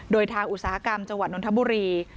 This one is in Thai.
โดยทางอุตสาหกรรมจังหวัดนทบุรี